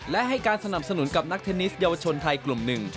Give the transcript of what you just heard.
และให้การสนับสนุนกับนักเทนนิสเยาวชนไทยกลุ่มหนึ่ง